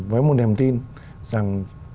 với một niềm tin rằng